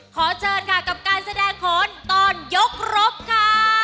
ขอเชิญค่ะกับการแสดงผลตอนยกรบค่ะ